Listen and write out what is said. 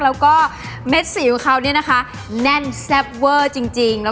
เเม็ดสีของเขาเน่นแซ่บเว้อจริง